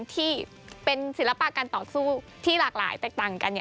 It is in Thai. ที่เป็นศิลปะการต่อสู้ที่หลากหลายแตกต่างกัน